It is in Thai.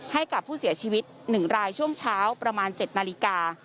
ให้กับผู้เสียชีวิต๑รายช่วงเช้าประมาณ๗นาฬิกา